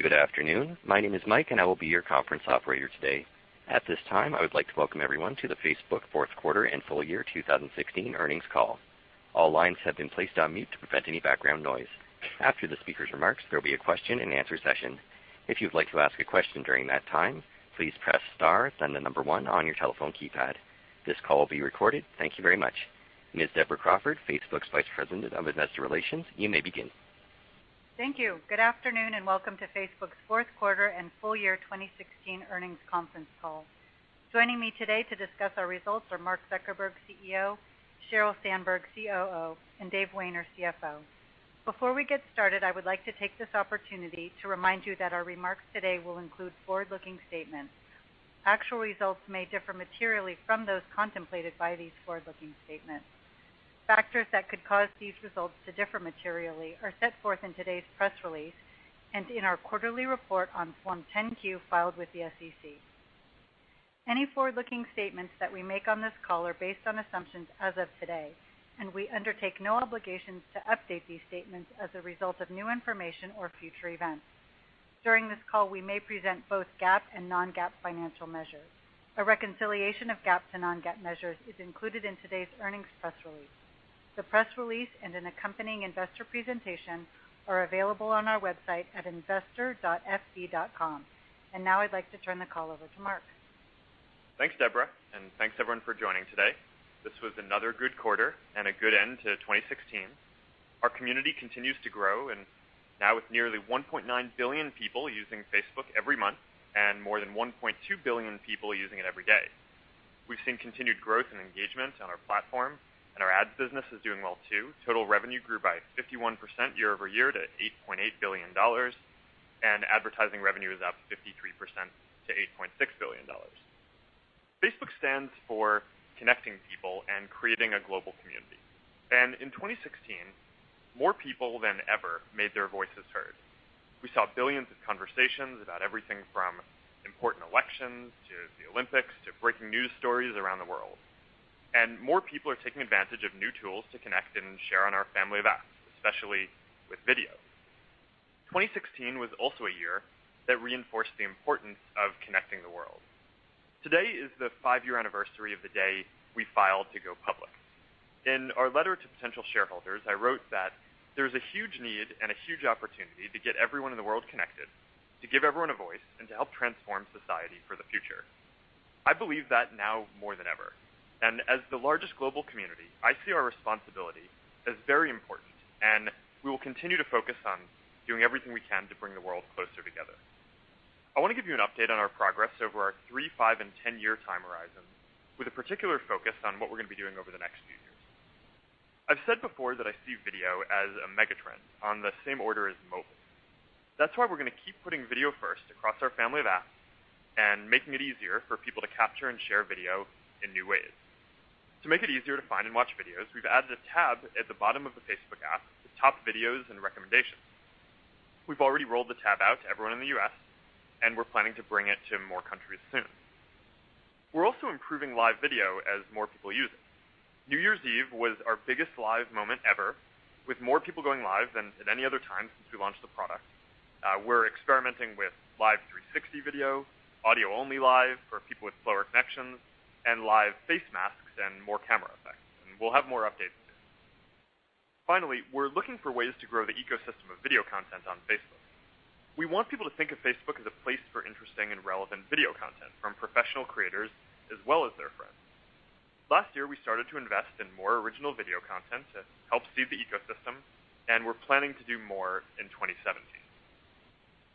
Good afternoon. My name is Mike, I will be your conference operator today. At this time, I would like to welcome everyone to the Facebook fourth quarter and full year 2016 earnings call. All lines have been placed on mute to prevent any background noise. After the speaker's remarks, there will be a question and answer session. If you'd like to ask a question during that time, please press star then the number one on your telephone keypad. This call will be recorded. Thank you very much. Ms. Deborah Crawford, Facebook's Vice President of Investor Relations, you may begin. Thank you. Good afternoon, welcome to Facebook's fourth quarter and full year 2016 earnings conference call. Joining me today to discuss our results are Mark Zuckerberg, CEO; Sheryl Sandberg, COO; Dave Wehner, CFO. Before we get started, I would like to take this opportunity to remind you that our remarks today will include forward-looking statements. Actual results may differ materially from those contemplated by these forward-looking statements. Factors that could cause these results to differ materially are set forth in today's press release and in our quarterly report on Form 10-Q filed with the SEC. Any forward-looking statements that we make on this call are based on assumptions as of today, we undertake no obligations to update these statements as a result of new information or future events. During this call, we may present both GAAP and non-GAAP financial measures. A reconciliation of GAAP to non-GAAP measures is included in today's earnings press release. The press release an accompanying investor presentation are available on our website at investor.fb.com. Now I'd like to turn the call over to Mark. Thanks, Deborah, thanks everyone for joining today. This was another good quarter a good end to 2016. Our community continues to grow now with nearly 1.9 billion people using Facebook every month, more than 1.2 billion people using it every day. We've seen continued growth and engagement on our platform, our ads business is doing well, too. Total revenue grew by 51% year-over-year to $8.8 billion, advertising revenue is up 53% to $8.6 billion. Facebook stands for connecting people creating a global community. In 2016, more people than ever made their voices heard. We saw billions of conversations about everything from important elections to the Olympics to breaking news stories around the world. More people are taking advantage of new tools to connect and share on our family of apps, especially with video. 2016 was also a year that reinforced the importance of connecting the world. Today is the five-year anniversary of the day we filed to go public. In our letter to potential shareholders, I wrote that there's a huge need and a huge opportunity to get everyone in the world connected, to give everyone a voice, and to help transform society for the future. I believe that now more than ever, and as the largest global community, I see our responsibility as very important, and we will continue to focus on doing everything we can to bring the world closer together. I want to give you an update on our progress over our three, five, and 10-year time horizon with a particular focus on what we're going to be doing over the next few years. I've said before that I see video as a mega-trend on the same order as mobile. That's why we're going to keep putting video first across our family of apps and making it easier for people to capture and share video in new ways. To make it easier to find and watch videos, we've added a tab at the bottom of the Facebook app to top videos and recommendations. We've already rolled the tab out to everyone in the U.S., and we're planning to bring it to more countries soon. We're also improving live video as more people use it. New Year's Eve was our biggest live moment ever, with more people going live than at any other time since we launched the product. We're experimenting with live 360 video, audio-only live for people with slower connections, and live face masks and more camera effects. We'll have more updates soon. Finally, we're looking for ways to grow the ecosystem of video content on Facebook. We want people to think of Facebook as a place for interesting and relevant video content from professional creators as well as their friends. Last year, we started to invest in more original video content to help seed the ecosystem, and we're planning to do more in 2017.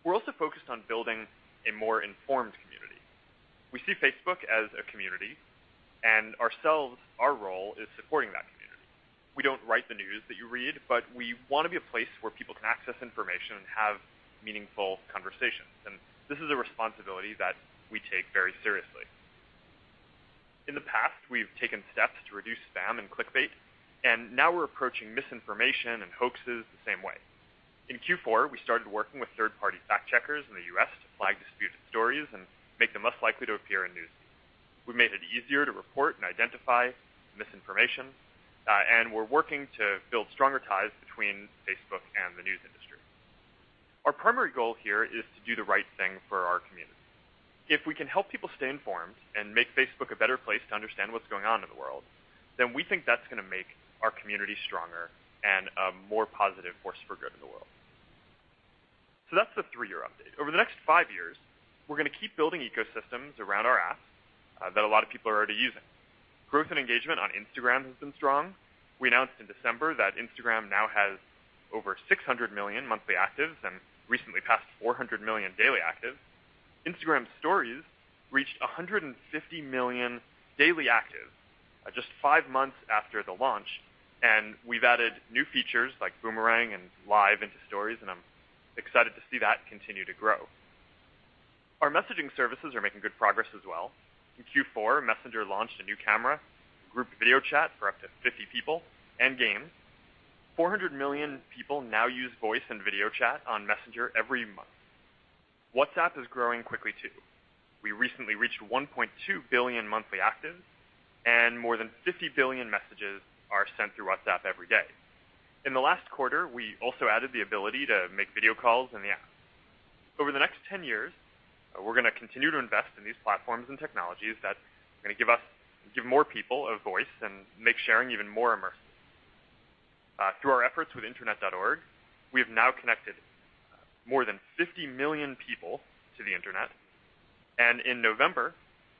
We're also focused on building a more informed community. We see Facebook as a community, and ourselves, our role is supporting that community. We don't write the news that you read, but we want to be a place where people can access information and have meaningful conversations. This is a responsibility that we take very seriously. In the past, we've taken steps to reduce spam and clickbait, and now we're approaching misinformation and hoaxes the same way. In Q4, we started working with third-party fact-checkers in the U.S. to flag disputed stories and make them less likely to appear in News Feed. We made it easier to report and identify misinformation, and we're working to build stronger ties between Facebook and the news industry. Our primary goal here is to do the right thing for our community. If we can help people stay informed and make Facebook a better place to understand what's going on in the world, then we think that's going to make our community stronger and a more positive force for good in the world. That's the three-year update. Over the next five years, we're going to keep building ecosystems around our apps that a lot of people are already using. Growth and engagement on Instagram has been strong. We announced in December that Instagram now has over 600 million monthly actives and recently passed 400 million daily actives. Instagram Stories reached 150 million daily actives just five months after the launch, and we've added new features like Boomerang and Live into Stories, and I'm excited to see that continue to grow. Our messaging services are making good progress as well. In Q4, Messenger launched a new camera, group video chat for up to 50 people, and games. 400 million people now use voice and video chat on Messenger every month. WhatsApp is growing quickly too. We recently reached 1.2 billion monthly actives, and more than 50 billion messages are sent through WhatsApp every day. In the last quarter, we also added the ability to make video calls in the app. Over the next 10 years, we're going to continue to invest in these platforms and technologies that are going to give more people a voice and make sharing even more immersive. Through our efforts with Internet.org, we have now connected more than 50 million people to the internet, and in November,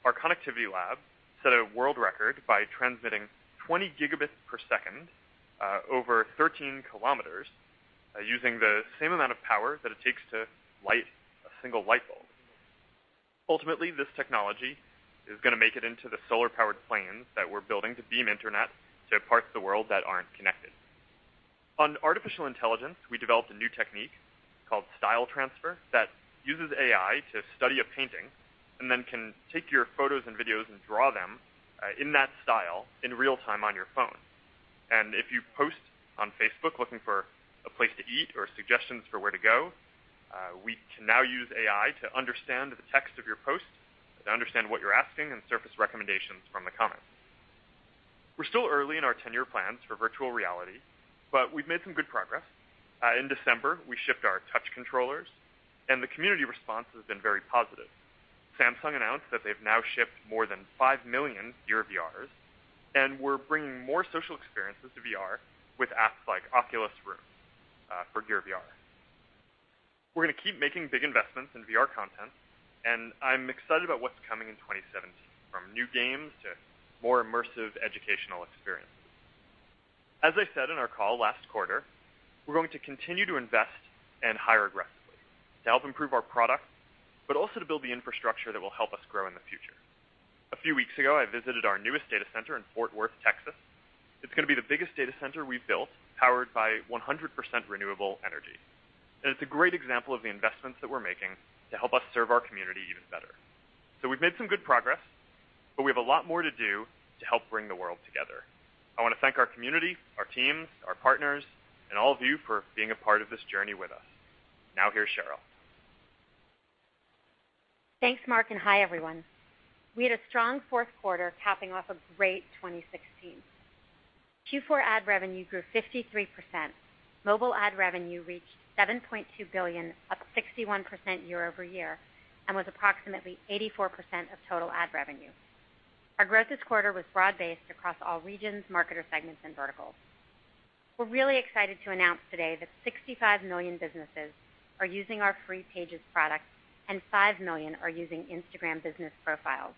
our Connectivity Lab set a world record by transmitting 20 gigabits per second over 13 kilometers using the same amount of power that it takes to light a single light bulb. Ultimately, this technology is going to make it into the solar-powered planes that we're building to beam internet to parts of the world that aren't connected. On artificial intelligence, we developed a new technique called style transfer that uses AI to study a painting and then can take your photos and videos and draw them in that style in real time on your phone. If you post on Facebook looking for a place to eat or suggestions for where to go, we can now use AI to understand the text of your post, to understand what you're asking, and surface recommendations from the comments. We're still early in our tenure plans for virtual reality, but we've made some good progress. In December, we shipped our Touch controllers, and the community response has been very positive. Samsung announced that they've now shipped more than 5 million Gear VRs, and we're bringing more social experiences to VR with apps like Oculus Rooms for Gear VR. We're going to keep making big investments in VR content, and I'm excited about what's coming in 2017, from new games to more immersive educational experiences. As I said in our call last quarter, we're going to continue to invest and hire aggressively to help improve our product, but also to build the infrastructure that will help us grow in the future. A few weeks ago, I visited our newest data center in Fort Worth, Texas. It's going to be the biggest data center we've built, powered by 100% renewable energy. It's a great example of the investments that we're making to help us serve our community even better. We've made some good progress, but we have a lot more to do to help bring the world together. I want to thank our community, our teams, our partners, and all of you for being a part of this journey with us. Now, here's Sheryl. Thanks, Mark. Hi, everyone. We had a strong fourth quarter, capping off a great 2016. Q4 ad revenue grew 53%. Mobile ad revenue reached $7.2 billion, up 61% year-over-year, and was approximately 84% of total ad revenue. Our growth this quarter was broad-based across all regions, marketer segments, and verticals. We're really excited to announce today that 65 million businesses are using our free Pages product, and 5 million are using Instagram business profiles.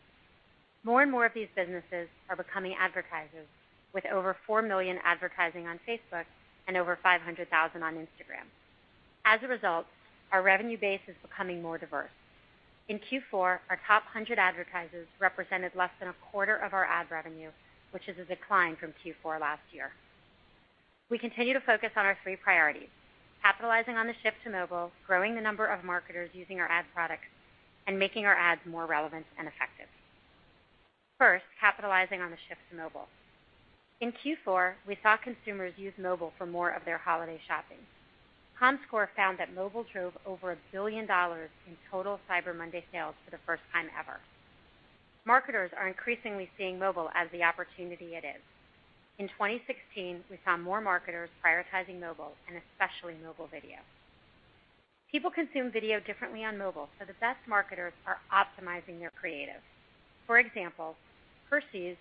More and more of these businesses are becoming advertisers, with over four million advertising on Facebook and over 500,000 on Instagram. As a result, our revenue base is becoming more diverse. In Q4, our top 100 advertisers represented less than a quarter of our ad revenue, which is a decline from Q4 last year. We continue to focus on our three priorities: capitalizing on the shift to mobile, growing the number of marketers using our ad products, and making our ads more relevant and effective. First, capitalizing on the shift to mobile. In Q4, we saw consumers use mobile for more of their holiday shopping. Comscore found that mobile drove over $1 billion in total Cyber Monday sales for the first time ever. Marketers are increasingly seeing mobile as the opportunity it is. In 2016, we saw more marketers prioritizing mobile and especially mobile video. People consume video differently on mobile, so the best marketers are optimizing their creative. For example, Hershey's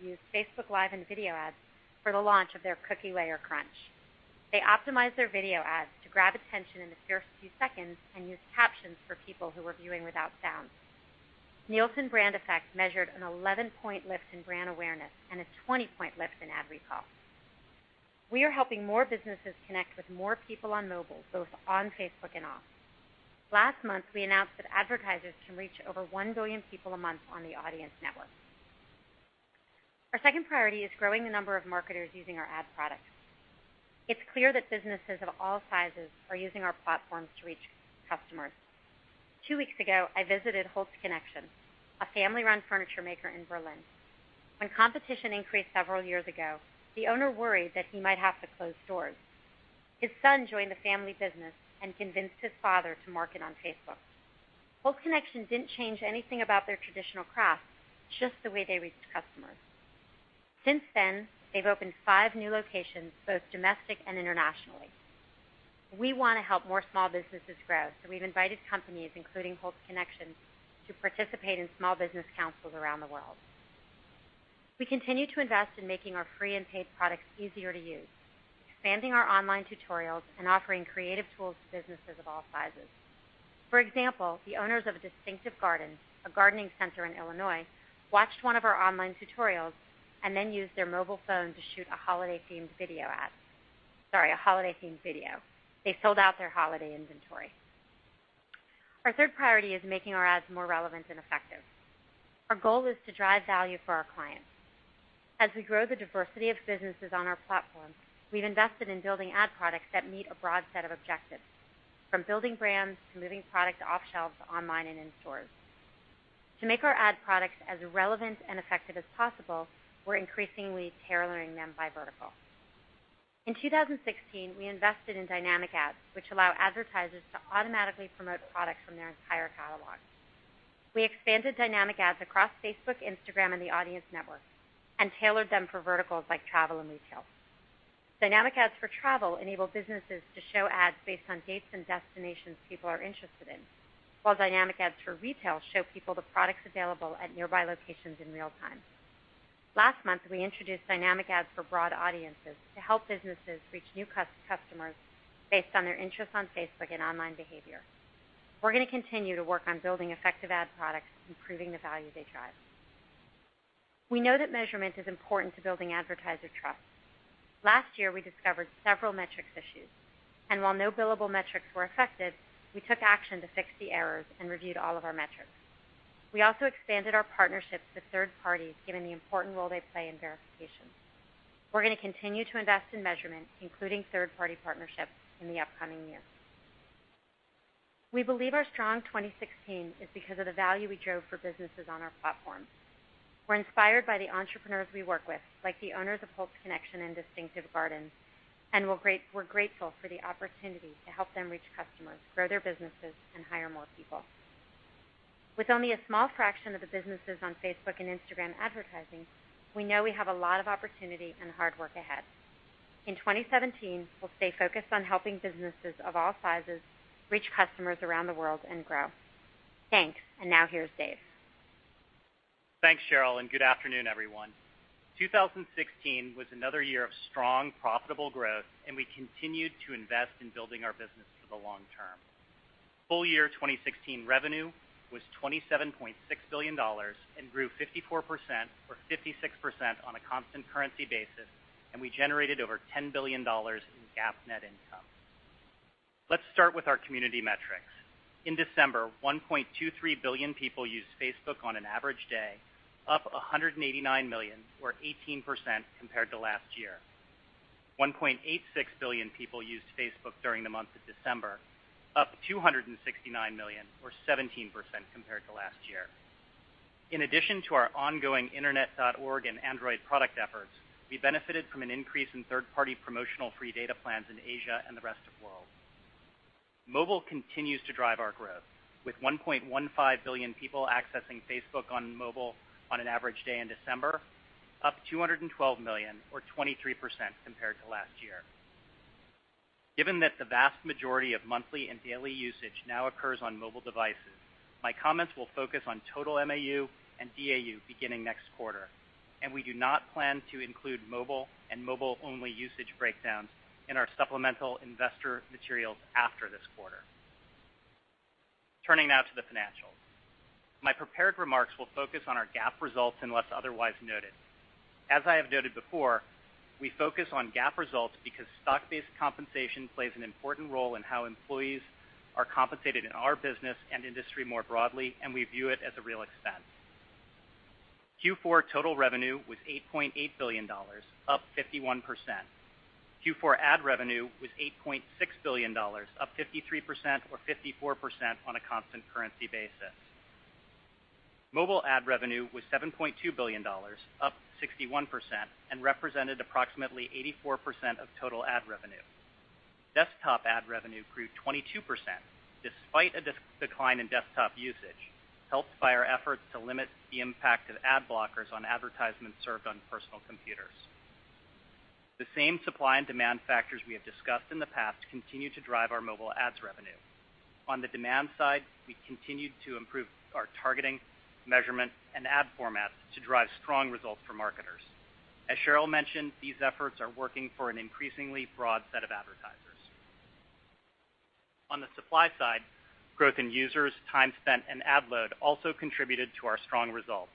used Facebook Live and video ads for the launch of their Cookie Layer Crunch. They optimized their video ads to grab attention in a fierce few seconds and used captions for people who were viewing without sound. Nielsen Brand Effect measured an 11-point lift in brand awareness and a 20-point lift in ad recall. We are helping more businesses connect with more people on mobile, both on Facebook and off. Last month, we announced that advertisers can reach over 1 billion people a month on the Audience Network. Our second priority is growing the number of marketers using our ad products. It's clear that businesses of all sizes are using our platforms to reach customers. Two weeks ago, I visited Holzconnection, a family-run furniture maker in Berlin. When competition increased several years ago, the owner worried that he might have to close doors. His son joined the family business and convinced his father to market on Facebook. Holzconnection didn't change anything about their traditional craft, just the way they reached customers. Since then, they've opened five new locations, both domestic and internationally. We want to help more small businesses grow. We've invited companies, including Holzconnection, to participate in small business councils around the world. We continue to invest in making our free and paid products easier to use, expanding our online tutorials, and offering creative tools to businesses of all sizes. For example, the owners of Distinctive Gardens, a gardening center in Illinois, watched one of our online tutorials and then used their mobile phone to shoot a holiday-themed video ad. Sorry, a holiday-themed video. They sold out their holiday inventory. Our third priority is making our ads more relevant and effective. Our goal is to drive value for our clients. As we grow the diversity of businesses on our platform, we've invested in building ad products that meet a broad set of objectives, from building brands to moving product off shelves online and in stores. To make our ad products as relevant and effective as possible, we're increasingly tailoring them by vertical. In 2016, we invested in dynamic ads, which allow advertisers to automatically promote products from their entire catalog. We expanded dynamic ads across Facebook, Instagram, and the Audience Network and tailored them for verticals like travel and retail. Dynamic ads for travel enable businesses to show ads based on dates and destinations people are interested in, while dynamic ads for retail show people the products available at nearby locations in real time. Last month, we introduced dynamic ads for broad audiences to help businesses reach new customers based on their interests on Facebook and online behavior. We're going to continue to work on building effective ad products, improving the value they drive. We know that measurement is important to building advertiser trust. Last year, we discovered several metrics issues, and while no billable metrics were affected, we took action to fix the errors and reviewed all of our metrics. We also expanded our partnerships to third parties, given the important role they play in verification. We're going to continue to invest in measurement, including third-party partnerships in the upcoming year. We believe our strong 2016 is because of the value we drove for businesses on our platform. We're inspired by the entrepreneurs we work with, like the owners of Holzconnection and Distinctive Gardens, and we're grateful for the opportunity to help them reach customers, grow their businesses, and hire more people. With only a small fraction of the businesses on Facebook and Instagram advertising, we know we have a lot of opportunity and hard work ahead. In 2017, we'll stay focused on helping businesses of all sizes reach customers around the world and grow. Thanks, and now here's Dave. Thanks, Sheryl, and good afternoon, everyone. 2016 was another year of strong, profitable growth, and we continued to invest in building our business for the long term. Full year 2016 revenue was $27.6 billion and grew 54%, or 56% on a constant currency basis, and we generated over $10 billion in GAAP net income. Let's start with our community metrics. In December, 1.23 billion people used Facebook on an average day, up 189 million or 18% compared to last year. 1.86 billion people used Facebook during the month of December, up 269 million or 17% compared to last year. In addition to our ongoing Internet.org and Android product efforts, we benefited from an increase in third-party promotional free data plans in Asia and the rest of the world. Mobile continues to drive our growth, with 1.15 billion people accessing Facebook on mobile on an average day in December, up 212 million or 23% compared to last year. Given that the vast majority of monthly and daily usage now occurs on mobile devices, my comments will focus on total MAU and DAU beginning next quarter, and we do not plan to include mobile and mobile-only usage breakdowns in our supplemental investor materials after this quarter. Turning now to the financials. My prepared remarks will focus on our GAAP results unless otherwise noted. As I have noted before, we focus on GAAP results because stock-based compensation plays an important role in how employees are compensated in our business and industry more broadly, and we view it as a real expense. Q4 total revenue was $8.8 billion, up 51%. Q4 ad revenue was $8.6 billion, up 53%, or 54% on a constant currency basis. Mobile ad revenue was $7.2 billion, up 61%, and represented approximately 84% of total ad revenue. Desktop ad revenue grew 22%, despite a decline in desktop usage, helped by our efforts to limit the impact of ad blockers on advertisements served on personal computers. The same supply and demand factors we have discussed in the past continue to drive our mobile ads revenue. On the demand side, we continued to improve our targeting, measurement, and ad formats to drive strong results for marketers. As Sheryl mentioned, these efforts are working for an increasingly broad set of advertisers. On the supply side, growth in users, time spent, and ad load also contributed to our strong results.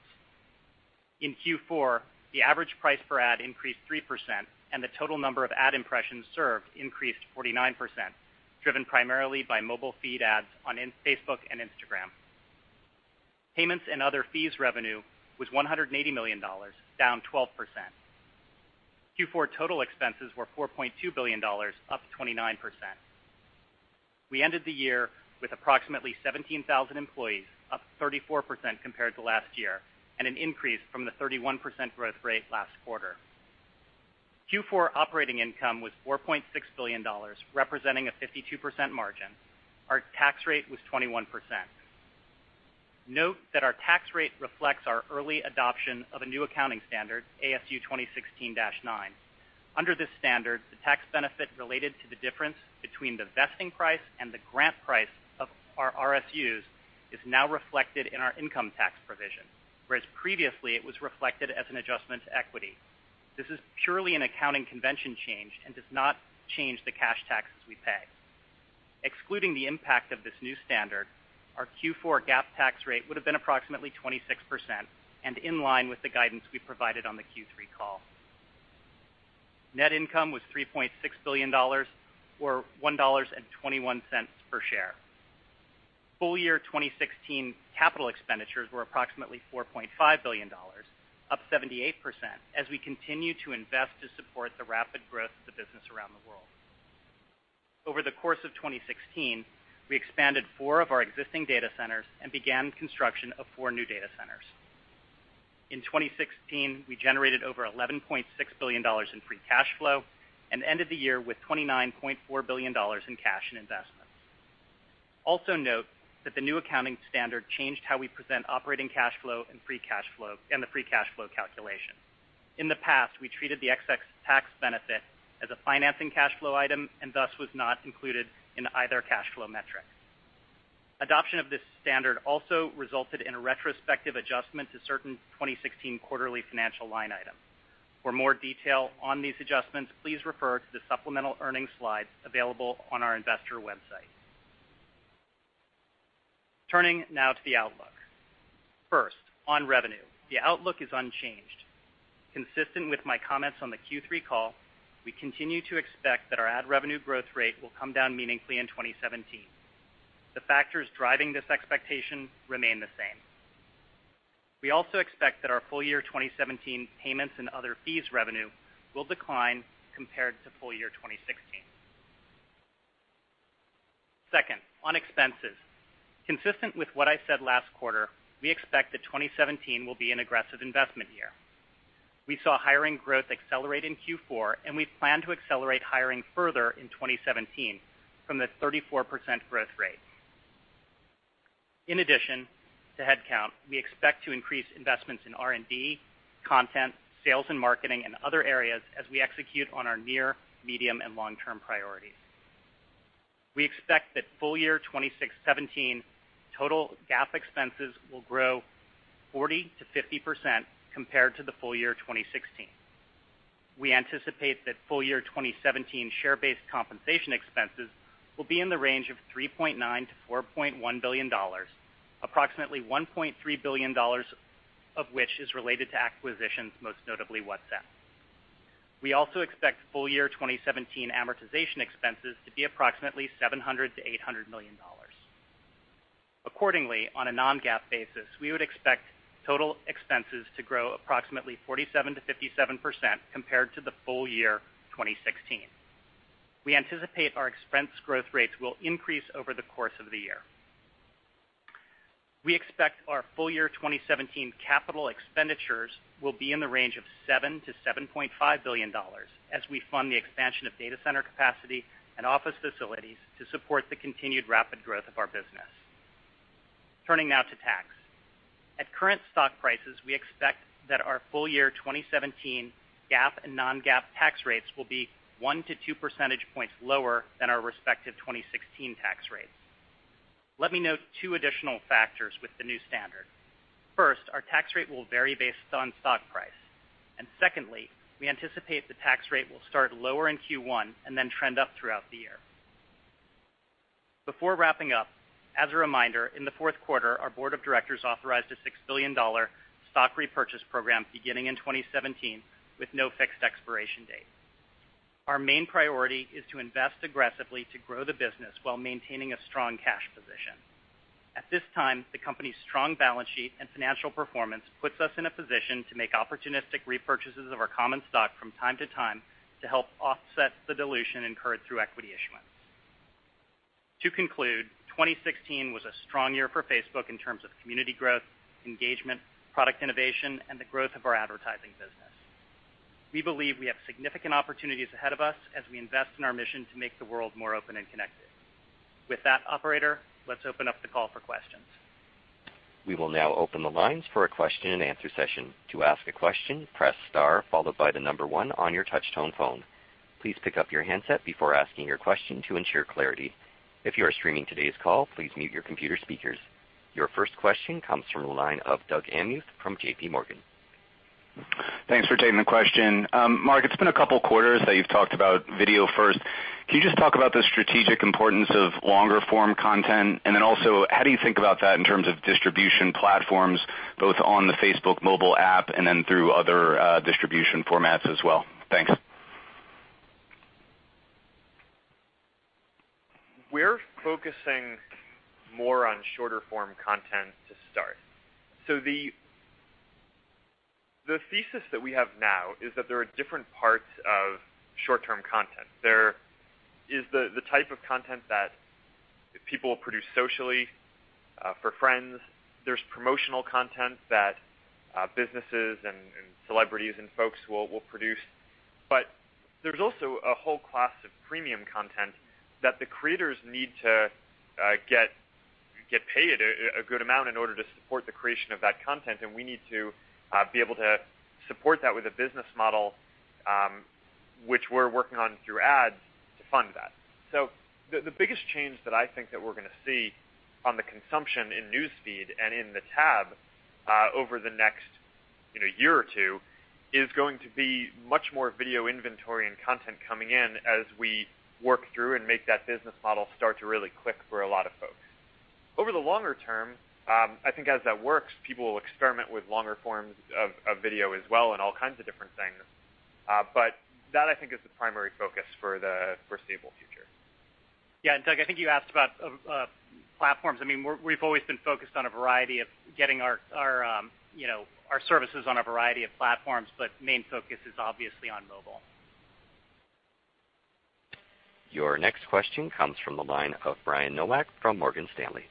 In Q4, the average price per ad increased 3%, and the total number of ad impressions served increased 49%, driven primarily by mobile feed ads on Facebook and Instagram. Payments and other fees revenue was $180 million, down 12%. Q4 total expenses were $4.2 billion, up 29%. We ended the year with approximately 17,000 employees, up 34% compared to last year, and an increase from the 31% growth rate last quarter. Q4 operating income was $4.6 billion, representing a 52% margin. Our tax rate was 21%. Note that our tax rate reflects our early adoption of a new accounting standard, ASU 2016-09. Under this standard, the tax benefit related to the difference between the vesting price and the grant price of our RSUs is now reflected in our income tax provision, whereas previously it was reflected as an adjustment to equity. This is purely an accounting convention change and does not change the cash taxes we pay. Excluding the impact of this new standard, our Q4 GAAP tax rate would have been approximately 26% and in line with the guidance we provided on the Q3 call. Net income was $3.6 billion, or $1.21 per share. Full-year 2016 capital expenditures were approximately $4.5 billion, up 78%, as we continue to invest to support the rapid growth of the business around the world. Over the course of 2016, we expanded four of our existing data centers and began construction of four new data centers. In 2016, we generated over $11.6 billion in free cash flow and ended the year with $29.4 billion in cash and investments. Note that the new accounting standard changed how we present operating cash flow and the free cash flow calculation. In the past, we treated the ASU 2016-09 tax benefit as a financing cash flow item, thus was not included in either cash flow metric. Adoption of this standard also resulted in a retrospective adjustment to certain 2016 quarterly financial line items. For more detail on these adjustments, please refer to the supplemental earnings slides available on our investor website. Turning now to the outlook. First, on revenue, the outlook is unchanged. Consistent with my comments on the Q3 call, we continue to expect that our ad revenue growth rate will come down meaningfully in 2017. The factors driving this expectation remain the same. We also expect that our full year 2017 payments and other fees revenue will decline compared to full year 2016. Second, on expenses. Consistent with what I said last quarter, we expect that 2017 will be an aggressive investment year. We saw hiring growth accelerate in Q4, we plan to accelerate hiring further in 2017 from the 34% growth rate. In addition to head count, we expect to increase investments in R&D, content, sales and marketing, and other areas as we execute on our near, medium, and long-term priorities. We expect that full year 2017 total GAAP expenses will grow 40%-50% compared to the full year 2016. We anticipate that full year 2017 share-based compensation expenses will be in the range of $3.9 billion-$4.1 billion, approximately $1.3 billion of which is related to acquisitions, most notably WhatsApp. We also expect full year 2017 amortization expenses to be approximately $700 million-$800 million. Accordingly, on a non-GAAP basis, we would expect total expenses to grow approximately 47%-57% compared to the full year 2016. We anticipate our expense growth rates will increase over the course of the year. We expect our full year 2017 capital expenditures will be in the range of $7 billion-$7.5 billion as we fund the expansion of data center capacity and office facilities to support the continued rapid growth of our business. Turning now to tax. At current stock prices, we expect that our full year 2017 GAAP and non-GAAP tax rates will be one to two percentage points lower than our respective 2016 tax rates. Let me note two additional factors with the new standard. First, our tax rate will vary based on stock price, and secondly, we anticipate the tax rate will start lower in Q1 and then trend up throughout the year. Before wrapping up, as a reminder, in the fourth quarter, our board of directors authorized a $6 billion stock repurchase program beginning in 2017 with no fixed expiration date. Our main priority is to invest aggressively to grow the business while maintaining a strong cash position. At this time, the company's strong balance sheet and financial performance puts us in a position to make opportunistic repurchases of our common stock from time to time to help offset the dilution incurred through equity issuance. To conclude, 2016 was a strong year for Facebook in terms of community growth, engagement, product innovation, and the growth of our advertising business. We believe we have significant opportunities ahead of us as we invest in our mission to make the world more open and connected. With that, operator, let's open up the call for questions. We will now open the lines for a question and answer session. To ask a question, press star followed by the number one on your touch-tone phone. Please pick up your handset before asking your question to ensure clarity. If you are streaming today's call, please mute your computer speakers. Your first question comes from the line of Doug Anmuth from J.P. Morgan. Thanks for taking the question. Mark, it's been a couple quarters that you've talked about video first. Can you just talk about the strategic importance of longer form content? Also, how do you think about that in terms of distribution platforms, both on the Facebook mobile app and then through other distribution formats as well? Thanks. We're focusing more on shorter form content to start. The thesis that we have now is that there are different parts of short-term content. There is the type of content that people produce socially for friends. There's promotional content that businesses and celebrities and folks will produce. There's also a whole class of premium content that the creators need to get paid a good amount in order to support the creation of that content, and we need to be able to support that with a business model, which we're working on through ads to fund that. The biggest change that I think that we're going to see on the consumption in News Feed and in the tab, over the next year or two, is going to be much more video inventory and content coming in as we work through and make that business model start to really click for a lot of folks. Over the longer term, I think as that works, people will experiment with longer forms of video as well, and all kinds of different things. That I think is the primary focus for the foreseeable future. Doug, I think you asked about Platforms, we've always been focused on a variety of getting our services on a variety of platforms, but main focus is obviously on mobile. Your next question comes from the line of Brian Nowak from Morgan Stanley.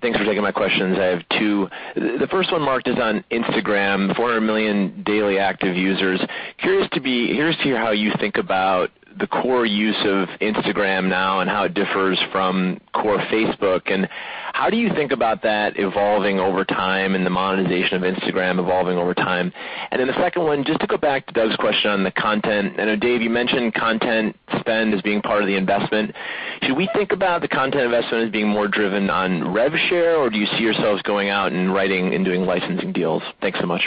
Thanks for taking my questions. I have two. The first one, Mark, is on Instagram, 400 million daily active users. Curious to hear how you think about the core use of Instagram now and how it differs from core Facebook, and how do you think about that evolving over time and the monetization of Instagram evolving over time? The second one, just to go back to Doug's question on the content. I know, Dave, you mentioned content spend as being part of the investment. Should we think about the content investment as being more driven on rev share, or do you see yourselves going out and writing and doing licensing deals? Thanks so much.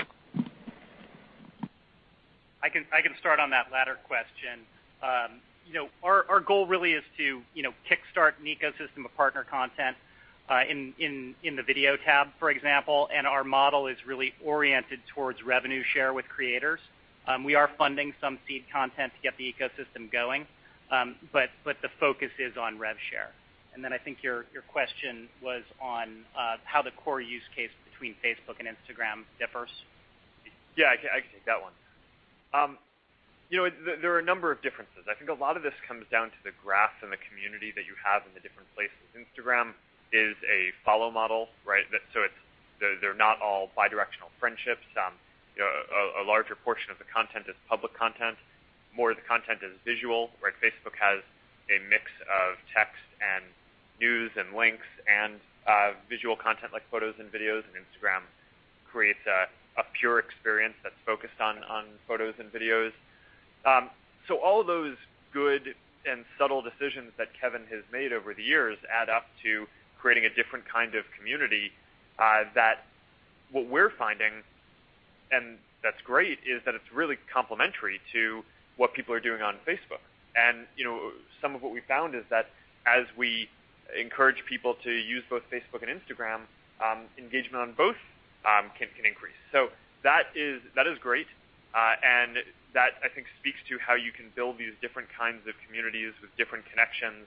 I can start on that latter question. Our goal really is to kickstart an ecosystem of partner content, in the video tab, for example, and our model is really oriented towards revenue share with creators. We are funding some seed content to get the ecosystem going, but the focus is on rev share. I think your question was on how the core use case between Facebook and Instagram differs. I can take that one. There are a number of differences. I think a lot of this comes down to the graph and the community that you have in the different places. Instagram is a follow model, right? They're not all bi-directional friendships. A larger portion of the content is public content. More of the content is visual. Facebook has a mix of text and news and links and visual content like photos and videos, and Instagram creates a pure experience that's focused on photos and videos. All of those good and subtle decisions that Kevin has made over the years add up to creating a different kind of community, that what we're finding, and that's great, is that it's really complementary to what people are doing on Facebook. Some of what we found is that as we encourage people to use both Facebook and Instagram, engagement on both can increase. That is great, and that, I think, speaks to how you can build these different kinds of communities with different connections,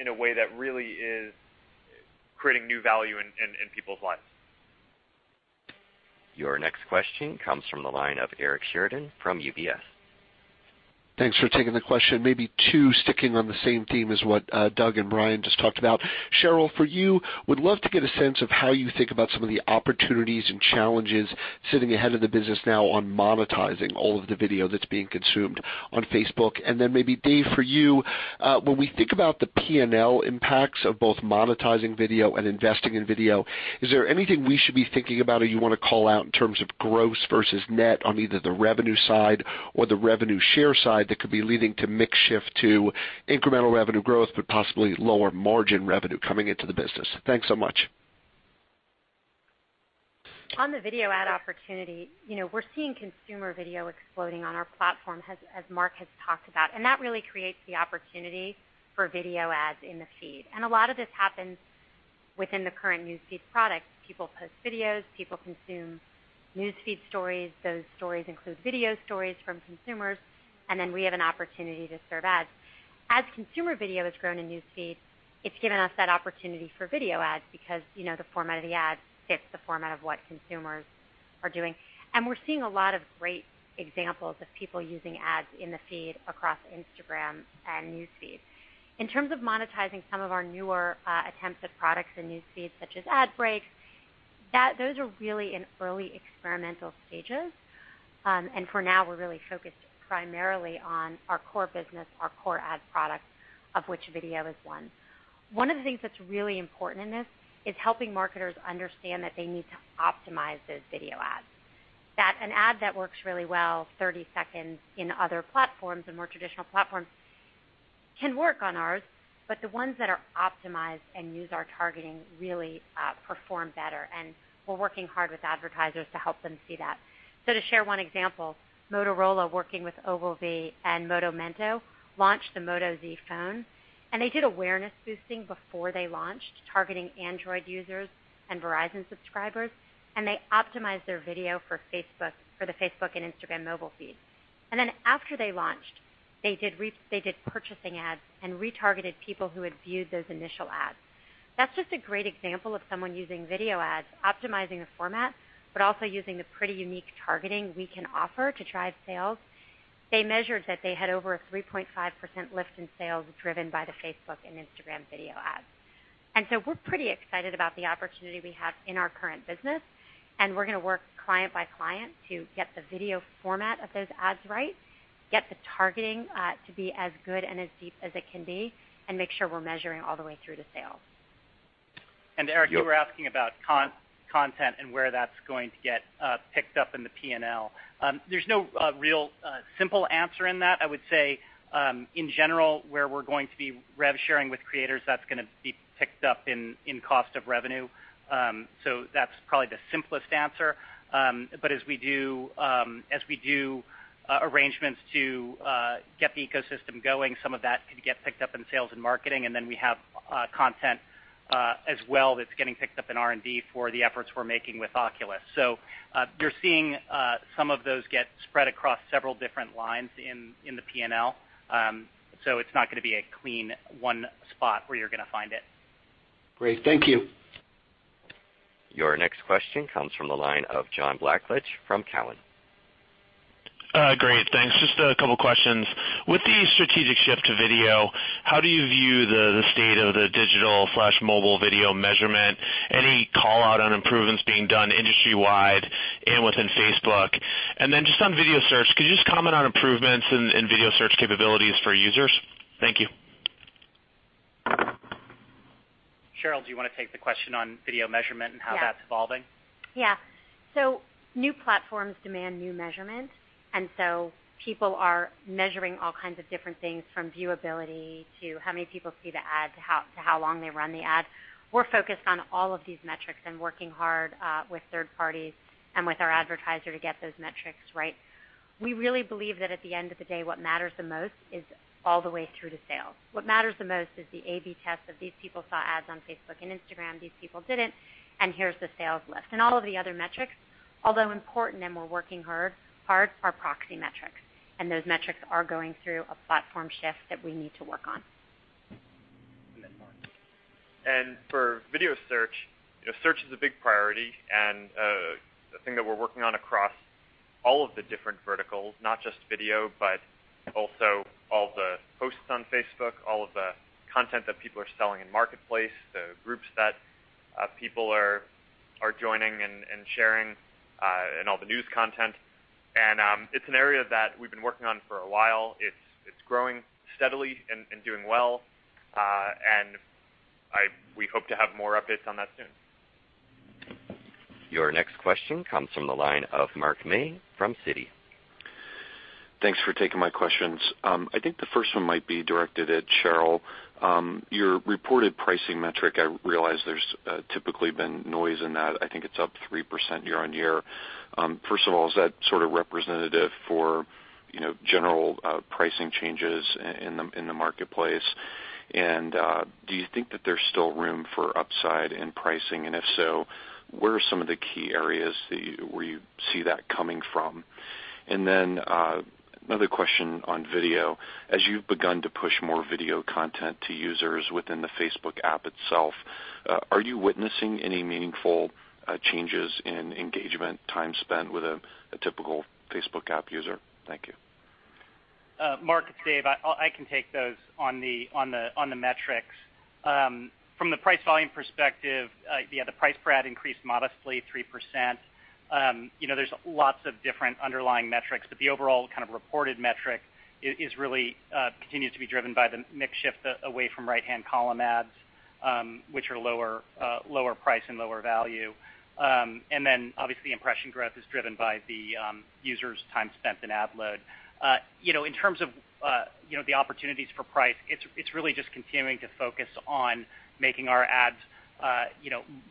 in a way that really is creating new value in people's lives. Your next question comes from the line of Eric Sheridan from UBS. Thanks for taking the question. Maybe two sticking on the same theme as what Doug and Brian just talked about. Sheryl, for you, would love to get a sense of how you think about some of the opportunities and challenges sitting ahead of the business now on monetizing all of the video that's being consumed on Facebook. Maybe Dave, for you, when we think about the P&L impacts of both monetizing video and investing in video, is there anything we should be thinking about or you want to call out in terms of gross versus net on either the revenue side or the revenue share side that could be leading to mix shift to incremental revenue growth, but possibly lower margin revenue coming into the business? Thanks so much. On the video ad opportunity, we're seeing consumer video exploding on our platform as Mark has talked about. That really creates the opportunity for video ads in the feed. A lot of this happens within the current News Feed product. People post videos, people consume News Feed stories. Those stories include video stories from consumers. Then we have an opportunity to serve ads. As consumer video has grown in News Feed, it's given us that opportunity for video ads because the format of the ads fits the format of what consumers are doing. We're seeing a lot of great examples of people using ads in the feed across Instagram and News Feed. In terms of monetizing some of our newer attempts at products in News Feed, such as Ad Breaks, those are really in early experimental stages. For now, we're really focused primarily on our core business, our core ad product, of which video is one. One of the things that's really important in this is helping marketers understand that they need to optimize those video ads. That an ad that works really well, 30 seconds in other platforms and more traditional platforms can work on ours, but the ones that are optimized and use our targeting really perform better. We're working hard with advertisers to help them see that. To share one example, Motorola working with Ogilvy and Moto Mundo launched the Moto Z phone. They did awareness boosting before they launched, targeting Android users and Verizon subscribers. They optimized their video for the Facebook and Instagram mobile feed. Then after they launched, they did purchasing ads and retargeted people who had viewed those initial ads. That's just a great example of someone using video ads, optimizing a format, but also using the pretty unique targeting we can offer to drive sales. They measured that they had over a 3.5% lift in sales driven by the Facebook and Instagram video ads. We're pretty excited about the opportunity we have in our current business. We're going to work client by client to get the video format of those ads right, get the targeting to be as good and as deep as it can be, make sure we're measuring all the way through to sale. Eric, you were asking about content and where that's going to get picked up in the P&L. There's no real simple answer in that. I would say, in general, where we're going to be rev sharing with creators, that's going to be picked up in cost of revenue. That's probably the simplest answer. As we do arrangements to get the ecosystem going, some of that could get picked up in sales and marketing. Then we have content As well that's getting picked up in R&D for the efforts we're making with Oculus. You're seeing some of those get spread across several different lines in the P&L, so it's not going to be a clean one spot where you're going to find it. Great. Thank you. Your next question comes from the line of John Blackledge from Cowen. Great. Thanks. Just a couple of questions. With the strategic shift to video, how do you view the state of the digital/mobile video measurement? Any call out on improvements being done industry-wide and within Facebook? Just on video search, could you just comment on improvements in video search capabilities for users? Thank you. Sheryl, do you want to take the question on video measurement and how that's evolving? Yeah. New platforms demand new measurement, people are measuring all kinds of different things, from viewability to how many people see the ad, to how long they run the ad. We're focused on all of these metrics and working hard with third parties and with our advertiser to get those metrics right. We really believe that at the end of the day, what matters the most is all the way through to sales. What matters the most is the A/B test of these people saw ads on Facebook and Instagram, these people didn't, and here's the sales lift. All of the other metrics, although important and we're working hard, are proxy metrics. Those metrics are going through a platform shift that we need to work on. Mark. For video search is a big priority, a thing that we're working on across all of the different verticals, not just video, but also all the posts on Facebook, all of the content that people are selling in Marketplace, the groups that people are joining and sharing, all the news content. It's an area that we've been working on for a while. It's growing steadily and doing well. We hope to have more updates on that soon. Your next question comes from the line of Mark May from Citi. Thanks for taking my questions. I think the first one might be directed at Sheryl. Your reported pricing metric, I realize there's typically been noise in that. I think it's up 3% year-over-year. First of all, is that sort of representative for general pricing changes in the marketplace? Do you think that there's still room for upside in pricing? If so, where are some of the key areas where you see that coming from? Another question on video. As you've begun to push more video content to users within the Facebook app itself, are you witnessing any meaningful changes in engagement time spent with a typical Facebook app user? Thank you. Mark, it's Dave. I can take those on the metrics. From the price volume perspective, yeah, the price per ad increased modestly 3%. There's lots of different underlying metrics, but the overall kind of reported metric really continues to be driven by the mix shift away from right-hand column ads, which are lower price and lower value. Obviously impression growth is driven by the user's time spent in ad load. In terms of the opportunities for price, it's really just continuing to focus on making our ads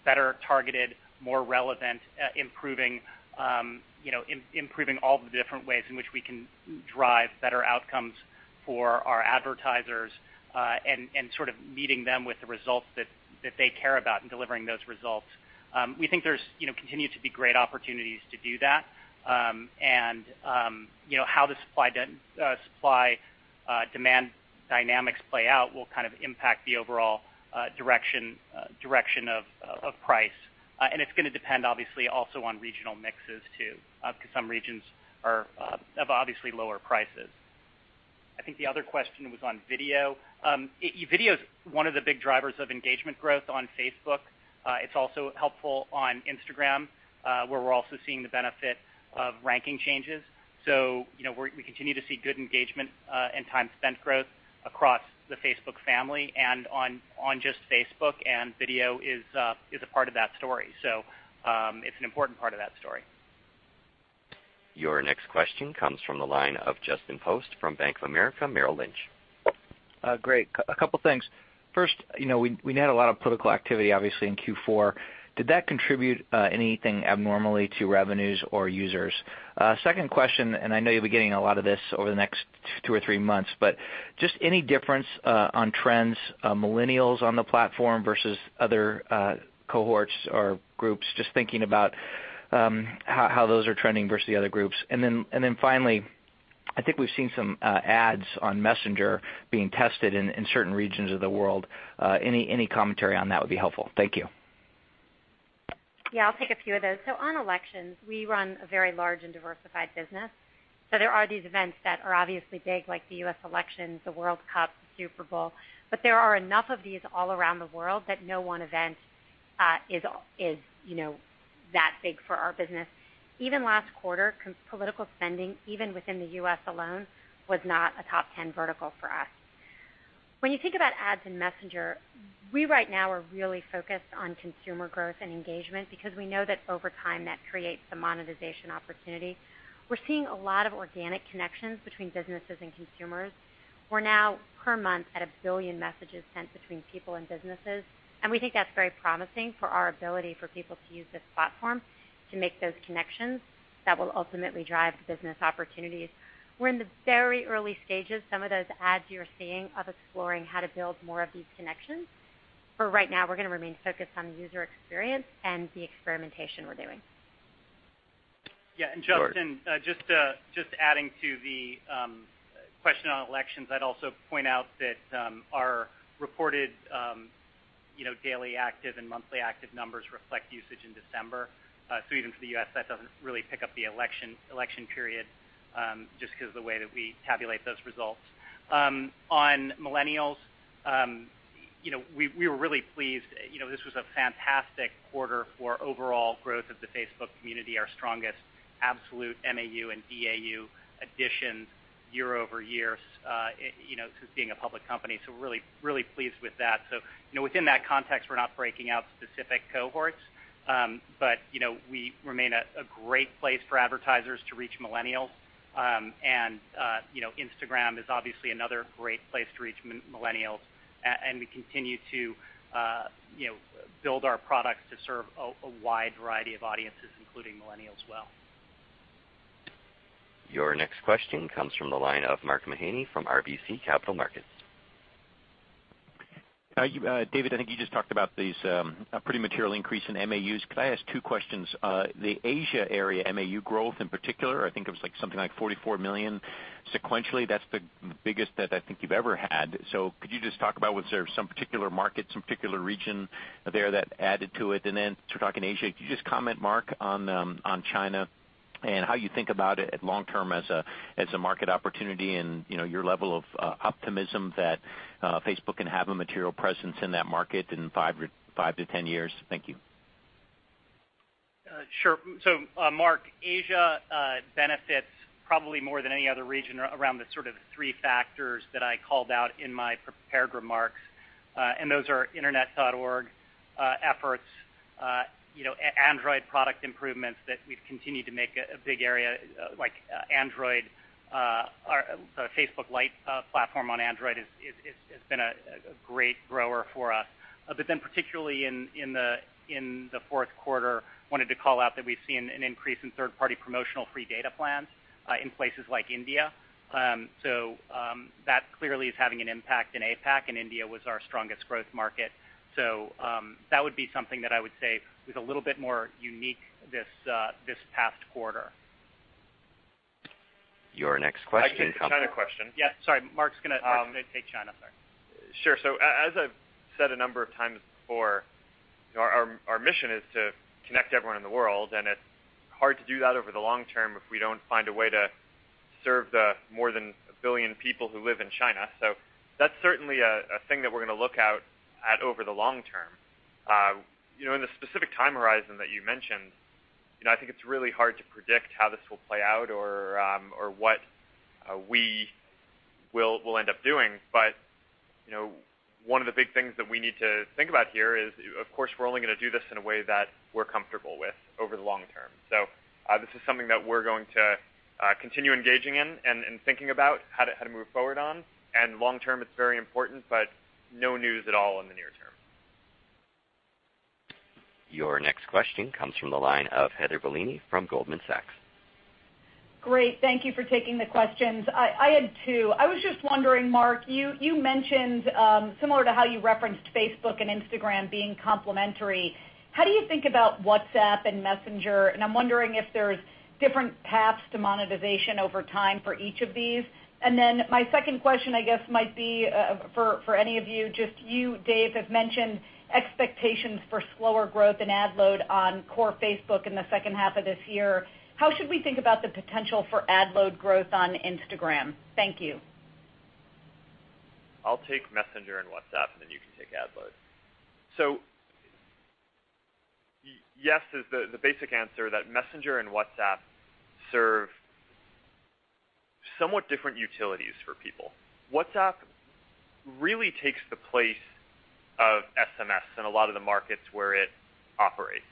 better targeted, more relevant, improving all the different ways in which we can drive better outcomes for our advertisers, and sort of meeting them with the results that they care about and delivering those results. We think there's continue to be great opportunities to do that, and how the supply-demand dynamics play out will kind of impact the overall direction of price. It's going to depend, obviously, also on regional mixes, too, because some regions have obviously lower prices. I think the other question was on video. Video's one of the big drivers of engagement growth on Facebook. It's also helpful on Instagram, where we're also seeing the benefit of ranking changes. We continue to see good engagement and time spent growth across the Facebook family and on just Facebook, and video is a part of that story. It's an important part of that story. Your next question comes from the line of Justin Post from Bank of America Merrill Lynch. Great. A couple things. First, we had a lot of political activity, obviously, in Q4. Did that contribute anything abnormally to revenues or users? Second question, and I know you'll be getting a lot of this over the next two or three months, but just any difference on trends, millennials on the platform versus other cohorts or groups, just thinking about how those are trending versus the other groups. Finally, I think we've seen some ads on Messenger being tested in certain regions of the world. Any commentary on that would be helpful. Thank you. Yeah, I'll take a few of those. On elections, we run a very large and diversified business. There are these events that are obviously big, like the U.S. elections, the World Cup, the Super Bowl, but there are enough of these all around the world that no one event is that big for our business. Even last quarter, political spending, even within the U.S. alone, was not a top 10 vertical for us. When you think about ads in Messenger, we right now are really focused on consumer growth and engagement because we know that over time, that creates the monetization opportunity. We're seeing a lot of organic connections between businesses and consumers. We're now, per month, at a billion messages sent between people and businesses, and we think that's very promising for our ability for people to use this platform to make those connections that will ultimately drive business opportunities. We're in the very early stages. Some of those ads you're seeing of exploring how to build more of these connections. For right now, we're going to remain focused on the user experience and the experimentation we're doing. Yeah. Justin, just adding to the question on elections, I'd also point out that our reported daily active and monthly active numbers reflect usage in December. Even for the U.S., that doesn't really pick up the election period, just because the way that we tabulate those results. On millennials, we were really pleased. This was a fantastic quarter for overall growth of the Facebook community, our strongest absolute MAU and DAU additions year-over-year since being a public company. We're really pleased with that. Within that context, we're not breaking out specific cohorts. We remain a great place for advertisers to reach millennials. Instagram is obviously another great place to reach millennials. We continue to build our products to serve a wide variety of audiences, including millennials as well. Your next question comes from the line of Mark Mahaney from RBC Capital Markets. David, I think you just talked about this pretty material increase in MAUs. Could I ask two questions? The Asia area MAU growth in particular, I think it was something like 44 million sequentially. That's the biggest that I think you've ever had. Could you just talk about was there some particular market, some particular region there that added to it? Then since we're talking Asia, could you just comment, Mark, on China and how you think about it at long-term as a market opportunity and your level of optimism that Facebook can have a material presence in that market in 5 to 10 years? Thank you. Sure. Mark, Asia benefits probably more than any other region around the sort of three factors that I called out in my prepared remarks. Those are Internet.org efforts, Android product improvements that we've continued to make a big area, like Android. Facebook Lite platform on Android has been a great grower for us. Particularly in the fourth quarter, wanted to call out that we've seen an increase in third-party promotional free data plans in places like India. That clearly is having an impact in APAC, and India was our strongest growth market. That would be something that I would say was a little bit more unique this past quarter. Your next question comes. I can take the China question. Yeah. Sorry, Mark's going to take China. Sorry. Sure. As I've said a number of times before, our mission is to connect everyone in the world, and it's hard to do that over the long term if we don't find a way to serve the more than a billion people who live in China. That's certainly a thing that we're going to look at over the long term. In the specific time horizon that you mentioned, I think it's really hard to predict how this will play out or what we'll end up doing. One of the big things that we need to think about here is, of course, we're only going to do this in a way that we're comfortable with over the long term. This is something that we're going to continue engaging in and thinking about how to move forward on. long term, it's very important, but no news at all in the near term. Your next question comes from the line of Heather Bellini from Goldman Sachs. Great. Thank you for taking the questions. I had two. I was just wondering, Mark, you mentioned, similar to how you referenced Facebook and Instagram being complementary, how do you think about WhatsApp and Messenger? I'm wondering if there's different paths to monetization over time for each of these. Then my second question, I guess, might be for any of you, just you, Dave, have mentioned expectations for slower growth in ad load on core Facebook in the second half of this year. How should we think about the potential for ad load growth on Instagram? Thank you. I'll take Messenger and WhatsApp, and then you can take ad load. Yes is the basic answer, that Messenger and WhatsApp serve somewhat different utilities for people. WhatsApp really takes the place of SMS in a lot of the markets where it operates.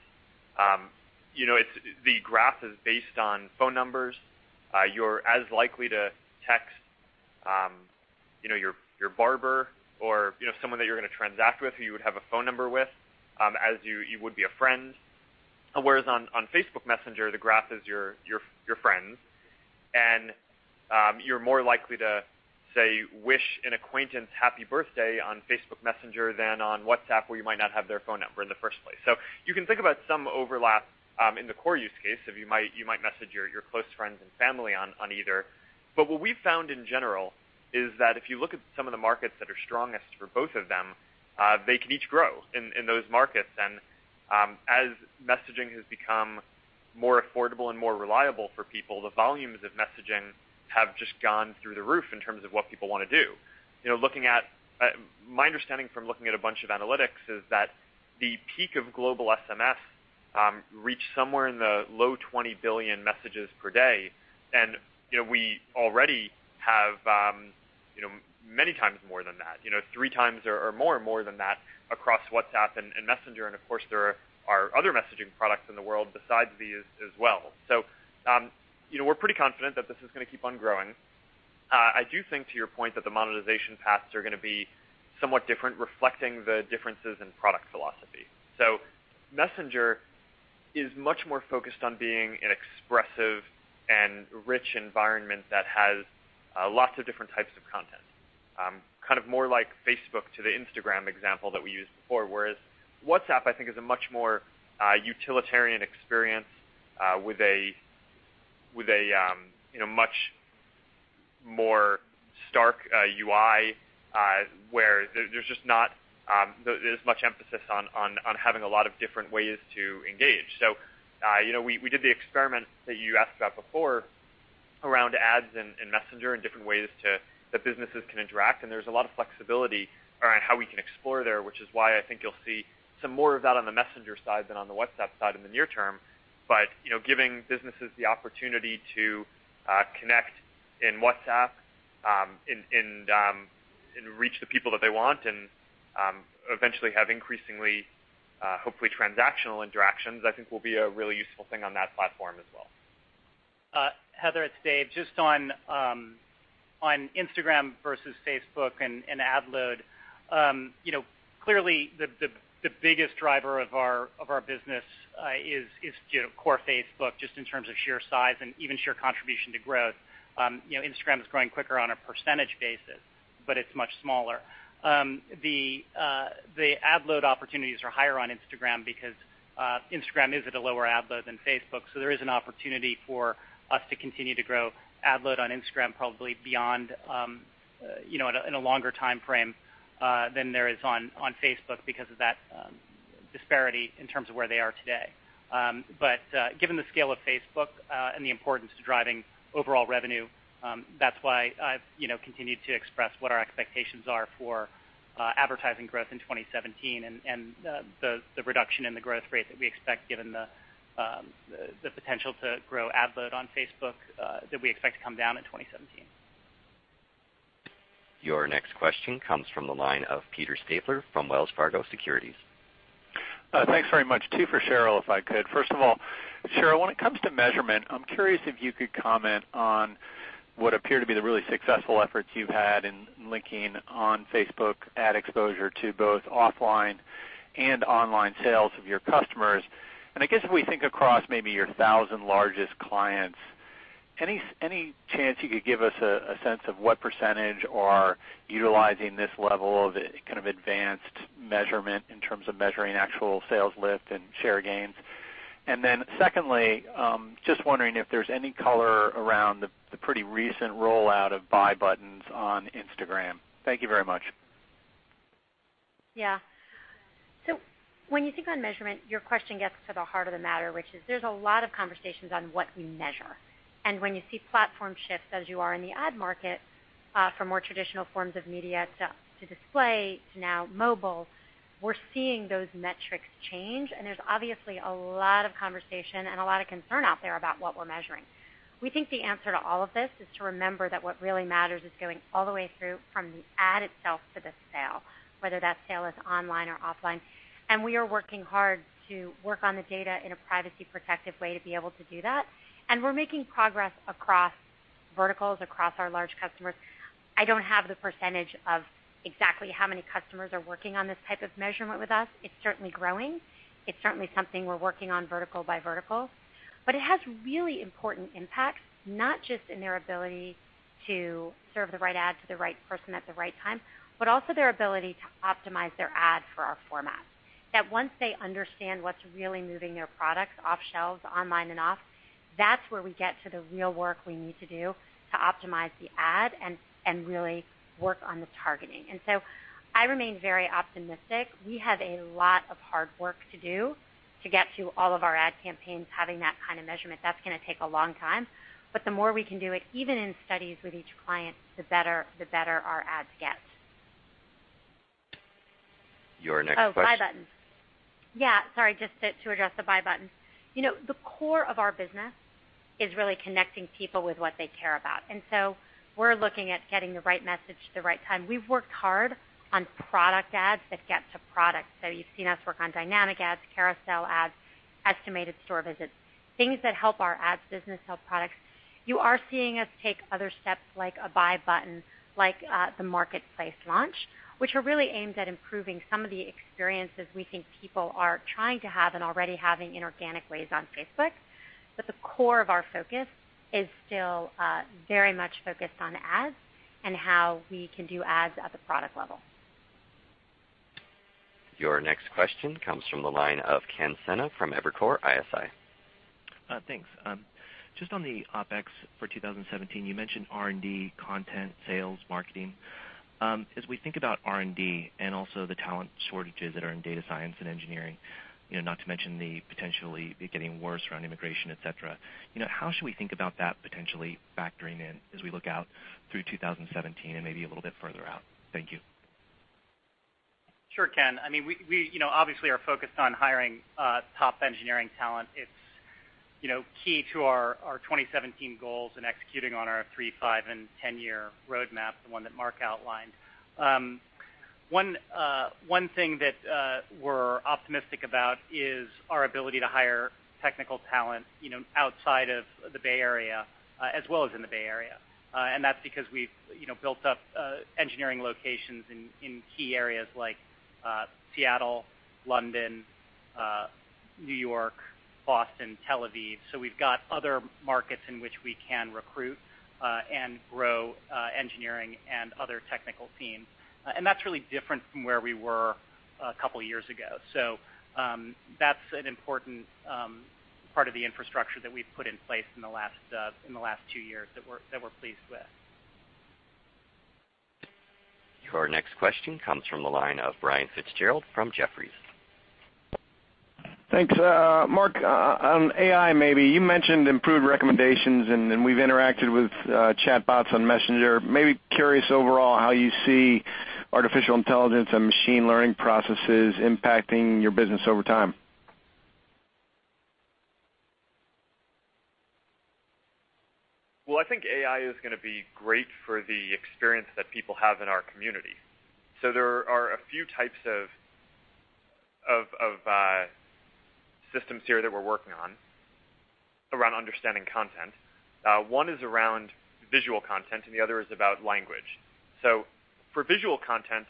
The graph is based on phone numbers. You're as likely to text your barber or someone that you're going to transact with who you would have a phone number with, as you would be a friend. Whereas on Facebook Messenger, the graph is your friends, and you're more likely to, say, wish an acquaintance happy birthday on Facebook Messenger than on WhatsApp, where you might not have their phone number in the first place. You can think about some overlap in the core use case if you might message your close friends and family on either. What we've found in general is that if you look at some of the markets that are strongest for both of them, they can each grow in those markets. As messaging has become more affordable and more reliable for people, the volumes of messaging have just gone through the roof in terms of what people want to do. My understanding from looking at a bunch of analytics is that the peak of global SMS reached somewhere in the low 20 billion messages per day, and we already have many times more than that. Three times or more and more than that across WhatsApp and Messenger, and of course, there are other messaging products in the world besides these as well. We're pretty confident that this is going to keep on growing. I do think to your point that the monetization paths are going to be somewhat different, reflecting the differences in product philosophy. Messenger is much more focused on being an expressive and rich environment that has lots of different types of content. More like Facebook to the Instagram example that we used before, whereas WhatsApp, I think, is a much more utilitarian experience with a much more stark UI, where there's just not as much emphasis on having a lot of different ways to engage. We did the experiment that you asked about before around ads and Messenger and different ways that businesses can interact, and there's a lot of flexibility around how we can explore there, which is why I think you'll see some more of that on the Messenger side than on the WhatsApp side in the near term. Giving businesses the opportunity to connect in WhatsApp and reach the people that they want and eventually have increasingly, hopefully, transactional interactions, I think will be a really useful thing on that platform as well. Heather, it's Dave. Just on Instagram versus Facebook and ad load. Clearly, the biggest driver of our business is core Facebook, just in terms of sheer size and even sheer contribution to growth. Instagram is growing quicker on a percentage basis, but it's much smaller. The ad load opportunities are higher on Instagram because Instagram is at a lower ad load than Facebook, there is an opportunity for us to continue to grow ad load on Instagram probably in a longer timeframe than there is on Facebook because of that disparity in terms of where they are today. Given the scale of Facebook and the importance to driving overall revenue, that's why I've continued to express what our expectations are for advertising growth in 2017 and the reduction in the growth rate that we expect, given the potential to grow ad load on Facebook, that we expect to come down in 2017. Your next question comes from the line of Peter Stabler from Wells Fargo Securities. Thanks very much. Two for Sheryl, if I could. First of all, Sheryl, when it comes to measurement, I'm curious if you could comment on what appear to be the really successful efforts you've had in linking on-Facebook ad exposure to both offline and online sales of your customers. I guess if we think across maybe your 1,000 largest clients, any chance you could give us a sense of what % are utilizing this level of kind of advanced measurement in terms of measuring actual sales lift and share gains? Then secondly, just wondering if there's any color around the pretty recent rollout of buy buttons on Instagram. Thank you very much. Yeah. When you think on measurement, your question gets to the heart of the matter, which is there's a lot of conversations on what we measure. When you see platform shifts, as you are in the ad market from more traditional forms of media to display to now mobile, we're seeing those metrics change, and there's obviously a lot of conversation and a lot of concern out there about what we're measuring. We think the answer to all of this is to remember that what really matters is going all the way through from the ad itself to the sale, whether that sale is online or offline. We are working hard to work on the data in a privacy-protective way to be able to do that. We're making progress across verticals, across our large customers. I don't have the percentage of exactly how many customers are working on this type of measurement with us. It's certainly growing. It's certainly something we're working on vertical by vertical. It has really important impacts, not just in their ability to serve the right ad to the right person at the right time, but also their ability to optimize their ad for our format. That once they understand what's really moving their products off shelves online and off, that's where we get to the real work we need to do to optimize the ad and really work on the targeting. I remain very optimistic. We have a lot of hard work to do to get to all of our ad campaigns having that kind of measurement. That's going to take a long time. The more we can do it, even in studies with each client, the better our ads get. Your next question Oh, buy buttons. Yeah, sorry, just to address the buy buttons. The core of our business is really connecting people with what they care about. We're looking at getting the right message at the right time. We've worked hard on product ads that get to products. You've seen us work on dynamic ads, carousel ads, estimated store visits, things that help our ads business help products. You are seeing us take other steps like a buy button, like the Marketplace launch, which are really aimed at improving some of the experiences we think people are trying to have and already having in organic ways on Facebook. The core of our focus is still very much focused on ads and how we can do ads at the product level. Your next question comes from the line of Ken Sena from Evercore ISI. Thanks. Just on the OpEx for 2017, you mentioned R&D, content, sales, marketing. As we think about R&D and also the talent shortages that are in data science and engineering, not to mention the potentially it getting worse around immigration, et cetera, how should we think about that potentially factoring in as we look out through 2017 and maybe a little bit further out? Thank you. Sure, Ken. We obviously are focused on hiring top engineering talent. It's key to our 2017 goals and executing on our three, five, and 10-year roadmap, the one that Mark outlined. That's because we've built up engineering locations in key areas like Seattle, London, and New York, Boston, Tel Aviv. We've got other markets in which we can recruit, and grow engineering and other technical teams. That's really different from where we were a couple of years ago. That's an important part of the infrastructure that we've put in place in the last two years that we're pleased with. Your next question comes from the line of Brian Fitzgerald from Jefferies. Thanks. Mark, on AI maybe, you mentioned improved recommendations, and we've interacted with chatbots on Messenger. Maybe curious overall how you see artificial intelligence and machine learning processes impacting your business over time. Well, I think AI is going to be great for the experience that people have in our community. There are a few types of systems here that we're working on around understanding content. One is around visual content, and the other is about language. For visual content,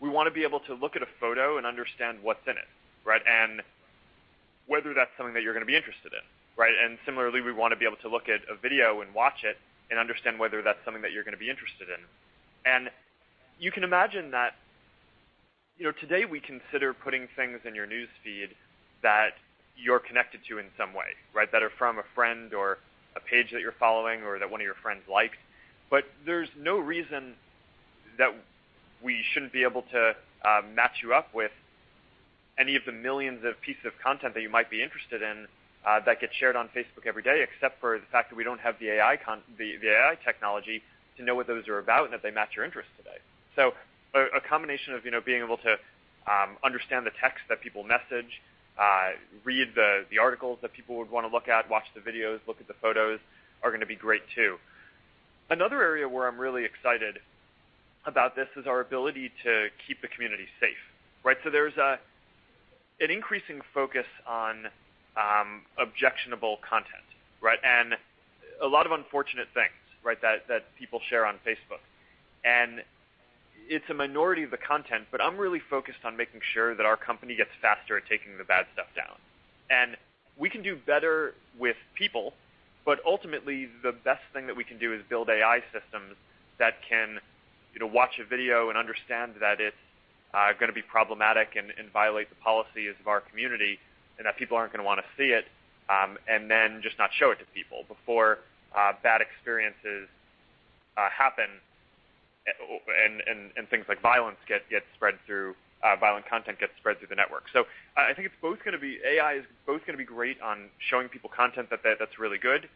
we want to be able to look at a photo and understand what's in it, right? Whether that's something that you're going to be interested in, right? Similarly, we want to be able to look at a video and watch it and understand whether that's something that you're going to be interested in. You can imagine that today we consider putting things in your News Feed that you're connected to in some way, right? That are from a friend or a page that you're following or that one of your friends likes. There's no reason that we shouldn't be able to match you up with any of the millions of pieces of content that you might be interested in that get shared on Facebook every day, except for the fact that we don't have the AI technology to know what those are about and that they match your interests today. A combination of being able to understand the text that people message, read the articles that people would want to look at, watch the videos, look at the photos, are going to be great too. Another area where I'm really excited about this is our ability to keep the community safe, right? There's an increasing focus on objectionable content, right? A lot of unfortunate things, right, that people share on Facebook. It's a minority of the content, but I'm really focused on making sure that our company gets faster at taking the bad stuff down. We can do better with people, but ultimately, the best thing that we can do is build AI systems that can watch a video and understand that it's going to be problematic and violate the policies of our community, and that people aren't going to want to see it, and then just not show it to people before bad experiences happen and things like violent content gets spread through the network. I think AI is both going to be great on showing people content that's really good,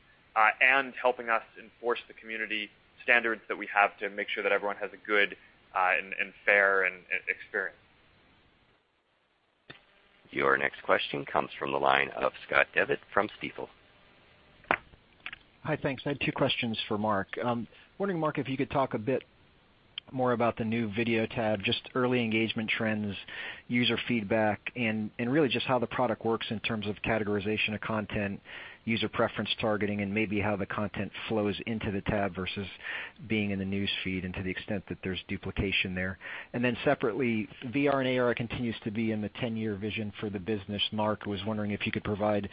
and helping us enforce the community standards that we have to make sure that everyone has a good and fair experience. Your next question comes from the line of Scott Devitt from Stifel. Hi, thanks. I had two questions for Mark. I'm wondering, Mark, if you could talk a bit more about the new Video tab, just early engagement trends, user feedback, and really just how the product works in terms of categorization of content, user preference targeting, and maybe how the content flows into the tab versus being in the News Feed, and to the extent that there's duplication there. Separately, VR and AR continues to be in the 10-year vision for the business, Mark. Was wondering if you could provide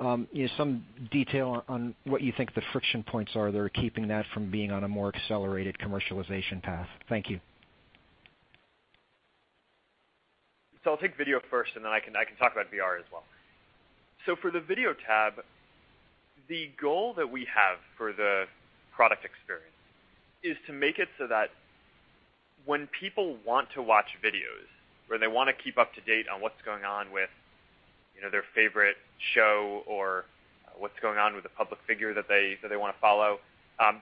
some detail on what you think the friction points are that are keeping that from being on a more accelerated commercialization path. Thank you. I'll take video first, and then I can talk about VR as well. For the Video tab, the goal that we have for the product experience is to make it so that when people want to watch videos or they want to keep up to date on what's going on with their favorite show or what's going on with a public figure that they want to follow,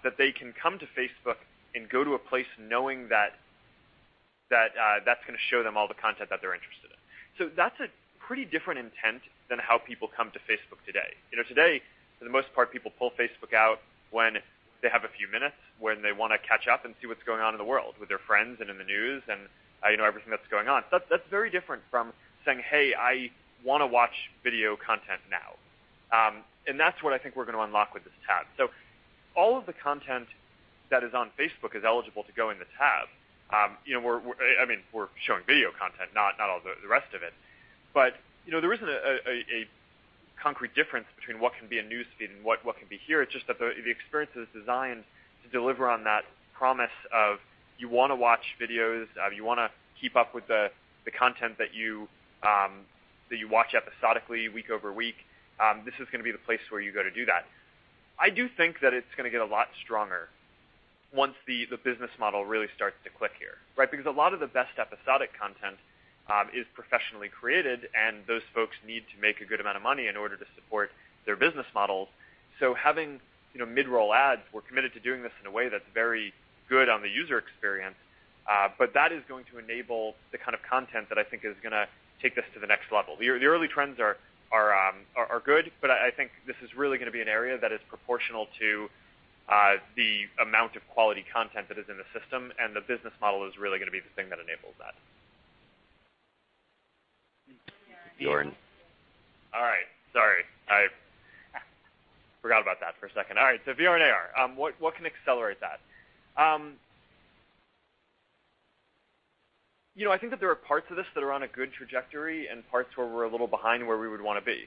that they can come to Facebook and go to a place knowing that that's going to show them all the content that they're interested in. That's a pretty different intent than how people come to Facebook today. Today, for the most part, people pull Facebook out when they have a few minutes, when they want to catch up and see what's going on in the world with their friends and in the news and everything that's going on. That's very different from saying, "Hey, I want to watch video content now." That's what I think we're going to unlock with this tab. All of the content that is on Facebook is eligible to go in the tab. We're showing video content, not all the rest of it. There isn't a concrete difference between what can be in News Feed and what can be here. It's just that the experience is designed to deliver on that promise of you want to watch videos, you want to keep up with the content that you watch episodically week over week. This is going to be the place where you go to do that. I do think that it's going to get a lot stronger once the business model really starts to click here, right? A lot of the best episodic content is professionally created, and those folks need to make a good amount of money in order to support their business models. Having mid-roll ads, we're committed to doing this in a way that's very good on the user experience. That is going to enable the kind of content that I think is going to take this to the next level. The early trends are good. I think this is really going to be an area that is proportional to the amount of quality content that is in the system, and the business model is really going to be the thing that enables that. Jordan. All right. Sorry. I forgot about that for a second. All right. VR and AR. What can accelerate that? I think that there are parts of this that are on a good trajectory and parts where we're a little behind where we would want to be.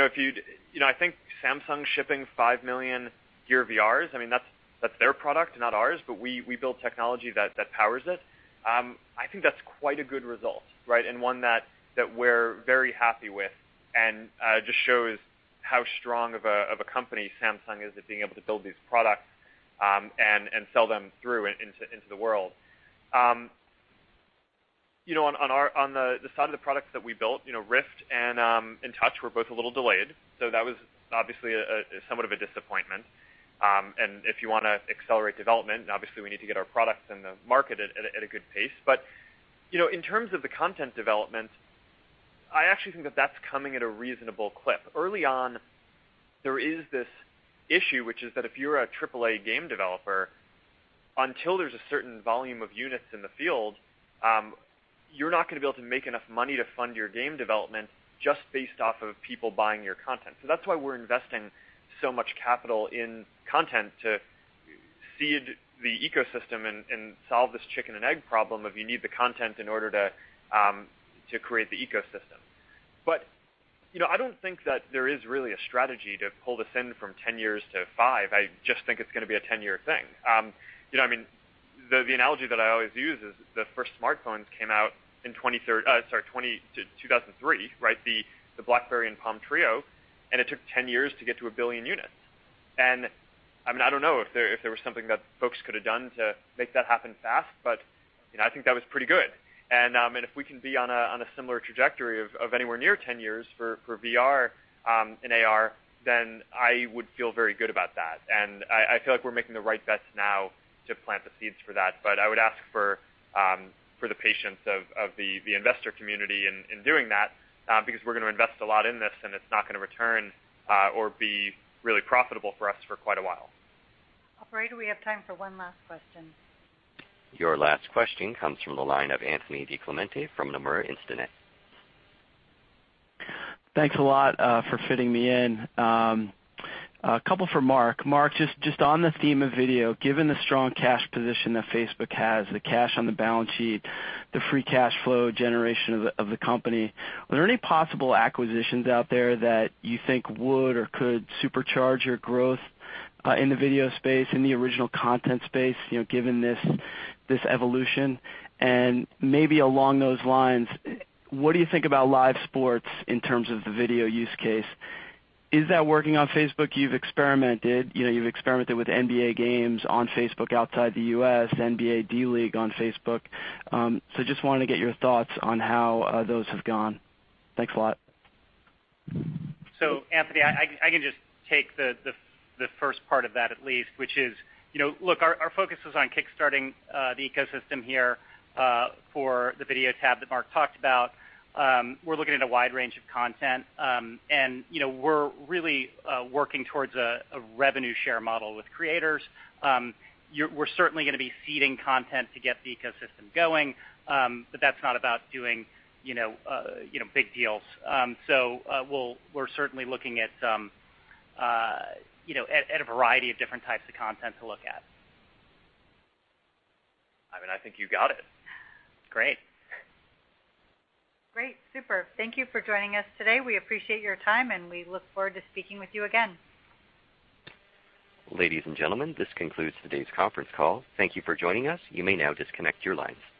I think Samsung shipping 5 million Gear VRs, that's their product, not ours, but we build technology that powers it. I think that's quite a good result, and one that we're very happy with, and just shows how strong of a company Samsung is at being able to build these products, and sell them through into the world. On the side of the products that we built, Rift and Touch were both a little delayed. That was obviously somewhat of a disappointment. If you want to accelerate development, obviously we need to get our products in the market at a good pace. In terms of the content development, I actually think that that's coming at a reasonable clip. Early on, there is this issue, which is that if you're a AAA game developer, until there's a certain volume of units in the field, you're not going to be able to make enough money to fund your game development just based off of people buying your content. That's why we're investing so much capital in content to seed the ecosystem and solve this chicken and egg problem of you need the content in order to create the ecosystem. I don't think that there is really a strategy to pull this in from 10 years to 5. I just think it's going to be a 10-year thing. The analogy that I always use is the first smartphones came out in 2003, the BlackBerry and Palm Treo. It took 10 years to get to 1 billion units. I don't know if there was something that folks could have done to make that happen fast. I think that was pretty good. If we can be on a similar trajectory of anywhere near 10 years for VR and AR, then I would feel very good about that. I feel like we're making the right bets now to plant the seeds for that. I would ask for the patience of the investor community in doing that, because we're going to invest a lot in this, and it's not going to return or be really profitable for us for quite a while. Operator, we have time for one last question. Your last question comes from the line of Anthony DiClemente from Nomura Instinet. Thanks a lot for fitting me in. A couple for Mark. Mark, just on the theme of video, given the strong cash position that Facebook has, the cash on the balance sheet, the free cash flow generation of the company, are there any possible acquisitions out there that you think would or could supercharge your growth in the video space, in the original content space, given this evolution? Maybe along those lines, what do you think about live sports in terms of the video use case? Is that working on Facebook? You've experimented with NBA games on Facebook outside the U.S., NBA D-League on Facebook. Just wanted to get your thoughts on how those have gone. Thanks a lot. Anthony, I can just take the first part of that at least, which is, look, our focus is on kickstarting the ecosystem here for the video tab that Mark talked about. We're looking at a wide range of content. We're really working towards a revenue share model with creators. We're certainly going to be seeding content to get the ecosystem going, but that's not about doing big deals. We're certainly looking at a variety of different types of content to look at. I think you got it. Great. Great. Super. Thank you for joining us today. We appreciate your time, and we look forward to speaking with you again. Ladies and gentlemen, this concludes today's conference call. Thank you for joining us. You may now disconnect your lines.